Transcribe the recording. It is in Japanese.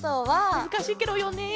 むずかしいケロよね。